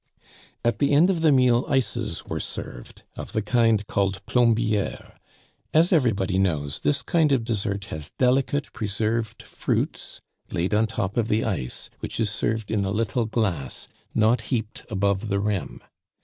At the end of the meal ices were served, of the kind called plombieres. As everybody knows, this kind of dessert has delicate preserved fruits laid on the top of the ice, which is served in a little glass, not heaped above the rim.